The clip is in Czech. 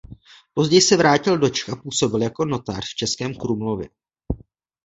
Později se vrátil do Čech a působil jako notář v Českém Krumlově.